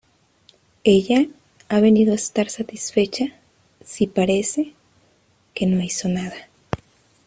Ella ha venido a estar satisfecha si parece que no hizo nada.